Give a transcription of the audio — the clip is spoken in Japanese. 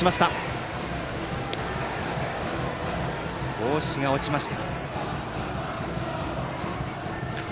帽子が落ちました。